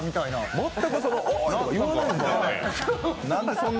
全く、おーいとか言わないんだ。